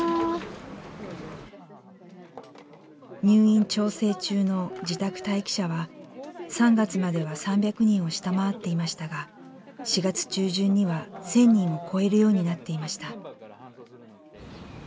入院調整中の自宅待機者は３月までは３００人を下回っていましたが４月中旬には１，０００人を超えるようになっていました。